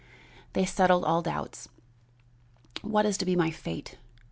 They settled all doubts. What is to be my fate?